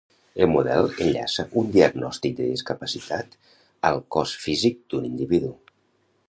El model enllaça un diagnòstic de discapacitat al cos físic d'un individu.